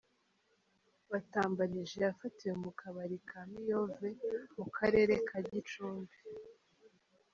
Batambarije yafatiwe mu Kabari ko Miyove mu karere ka Gicumbi.